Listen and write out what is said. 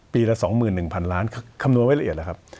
ปีละสองหมื่นหนึ่งพันล้านคำนวณไว้ละเอียดแหละครับ